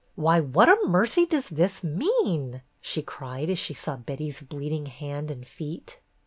Why, what a mercy does this mean ?" she cried, as she saw Betty's bleeding hand and feet.